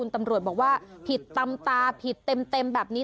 ตำรวจบอกว่าผิดตำตาผิดเต็มแบบนี้